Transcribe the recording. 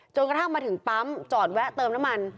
กระทั่งมาถึงปั๊มจอดแวะเติมน้ำมัน